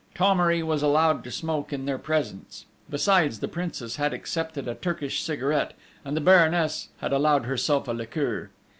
Thomery was allowed to smoke in their presence; besides, the Princess had accepted a Turkish cigarette, and the Baroness had allowed herself a liqueur.